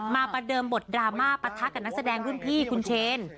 มาประเดิมบทดราม่าประทักกับนักแสดงพี่คุณเชน